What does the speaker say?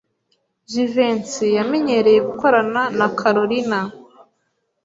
Jivency yamenyereye gukorana na Kalorina.